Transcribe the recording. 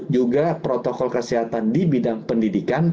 juga protokol kesehatan di bidang pendidikan